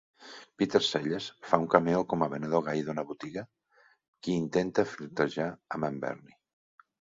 Peter Sellers fa un cameo com a venedor gai d'una botiga qui intenta flirtejar amb en Bernie.